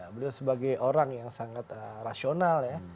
beliau sebagai orang yang sangat rasional ya